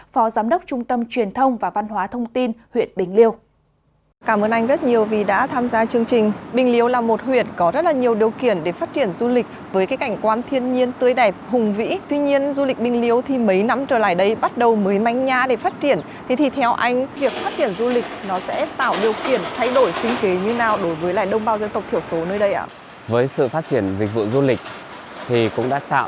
phó giám đốc trung tâm truyền thông và văn hóa thông tin huyện bình liêu